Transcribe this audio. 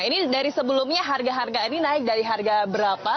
ini dari sebelumnya harga harga ini naik dari harga berapa